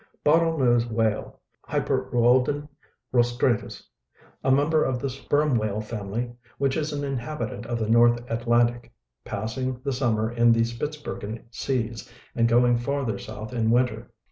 BOTTLENOSE WHALE (Hypero├Čdon rostratus), a member of the sperm whale family, which is an inhabitant of the North Atlantic, passing the summer in the Spitzbergen seas and going farther south in winter.